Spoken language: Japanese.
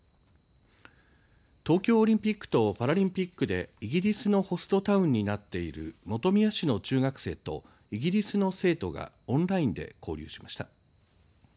東京オリンピックとパラリンピックでイギリスのホストタウンになっている本宮市の中学生とイギリスの生徒がオンラインで交流しました。